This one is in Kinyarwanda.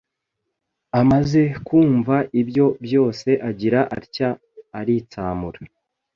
amaze kumva ibyo byose agira atya aritsamura